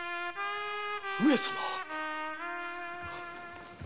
上様！？